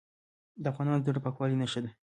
د افغانانو د زړه پاکوالي نښه ده.